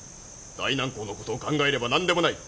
大楠公の事を考えれば何でもない。